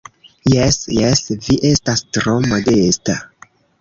Jes, jes, vi estas tro modesta.